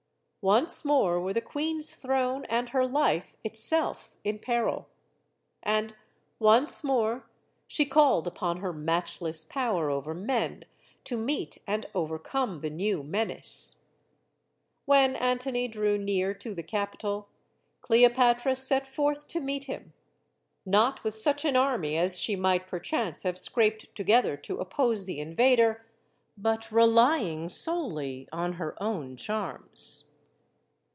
Once more were the queen's throne and her life itself in peril. And once more she called upon her matchless power over men to meet and overcome the new menace. When Antony drew near to the capital, Cleopatra set forth to meet him; not with such an army as she might perchance have scraped together 144 STORIES OF THE SUPER WOMEN to oppose the invader, but relying solely on her own charms.